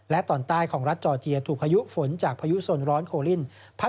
และตอนใต้ของรัฐจอร์เจียถูกพายุฝนจากพายุสนร้อนโคลิน